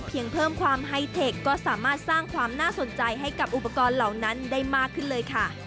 เพิ่มความไฮเทคก็สามารถสร้างความน่าสนใจให้กับอุปกรณ์เหล่านั้นได้มากขึ้นเลยค่ะ